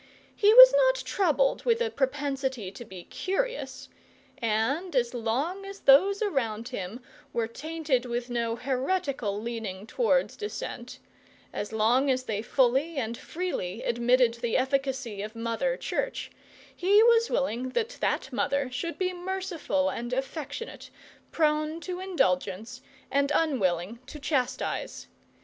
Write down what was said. He was not troubled with a propensity to be curious, and as long as those around him were tainted with no heretical leaning towards dissent, as long as they fully and freely admitted the efficacy of Mother Church, he was willing that that mother should be merciful and affectionate, prone to indulgence, and unwilling to chastise.